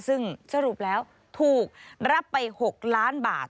ซึ่งสรุปแล้วถูกรับไป๖ล้านบาท